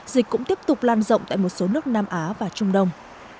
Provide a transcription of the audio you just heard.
dịch cũng tiếp tục lan rộng tại một số nước nam á và trung đông